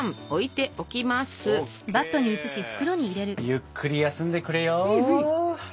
ゆっくり休んでくれよ。